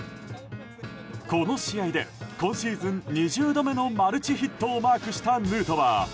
この試合で今シーズン２０度目のマルチヒットをマークしたヌートバー。